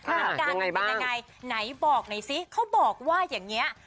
อาการมันเป็นยังไงไหนบอกหน่อยซิเขาบอกว่าอย่างนี้